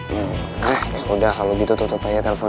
hmm ah yaudah kalau gitu tutup aja teleponnya deh kalau gak mau